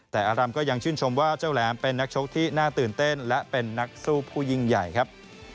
แต่อารำก็ยังชื่นชมว่าเจ้าแหลมเป็นนักชกที่น่าตื่นเต้นและเป็นนักสู้ผู้ยิ่งใหญ่ครับ